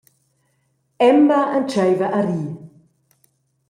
Emma entscheiva a rir.